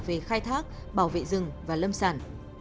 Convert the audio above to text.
về khai thác bảo vệ rừng và lâm sản